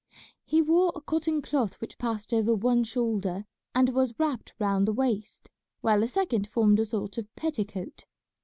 He wore a cotton cloth which passed over one shoulder and was wrapped round the waist, while a second formed a sort of petticoat.